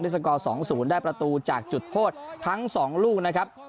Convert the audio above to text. สกอร์๒๐ได้ประตูจากจุดโทษทั้ง๒ลูกนะครับ